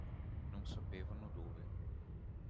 Non sapevano dove.